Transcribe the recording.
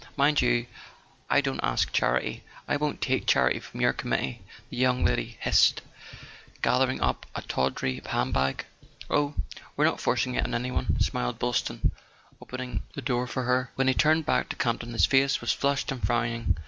"Mind you, I don't ask charity—I won't take charity from your committee !" the young lady hissed, gather¬ ing up a tawdry hand bag. "Oh, we're not forcing it on any one," smiled Boyl ston, opening the door for her. When he turned back to Campton his face was flushed and frowning.